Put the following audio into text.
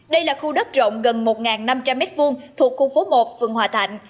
đây là khu đất rộng gần một năm trăm linh mét vuông thuộc khu phố một phường hòa thạnh